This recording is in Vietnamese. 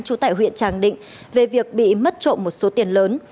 trú tại huyện tràng định về việc bị mất trộm một số tiền lớn